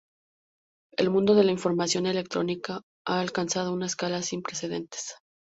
El mundo de la información electrónica ha alcanzado una escala sin precedentes.